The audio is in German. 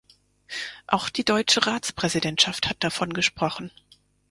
Auch die deutsche Ratspräsidentschaft hat davon gesprochen.